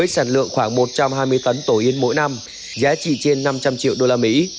một trăm hai mươi tấn tổ yến mỗi năm giá trị trên năm trăm linh triệu đô la mỹ